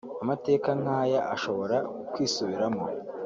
Amateka nk’aya ashobora kwisubiramo